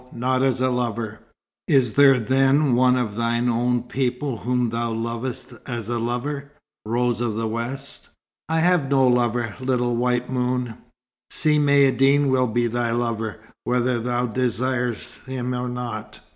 Not as a lover." "Is there then one of thine own people whom thou lovest as a lover, Rose of the West?" "I have no lover, little white moon." "Si Maïeddine will be thy lover, whether thou desirest him or not."